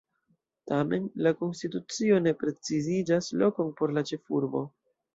Tamen, la konstitucio ne precizigas lokon por la ĉefurbo.